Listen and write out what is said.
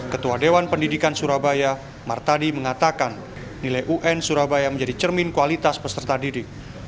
ketua dewan pendidikan surabaya martadi mengatakan nilai un surabaya menjadi cermin kualitas peserta didik